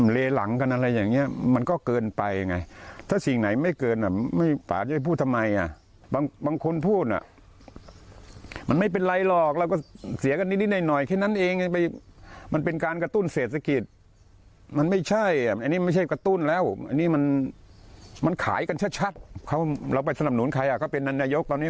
เราไปสนับสนุนใครก็เป็นนายกตอนนี้